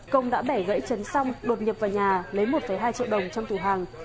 công đã bẻ gãy chấn xong đột nhập vào nhà lấy một hai triệu đồng trong tù hàng